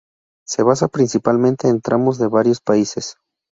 Se basa principalmente en tramos de varios países.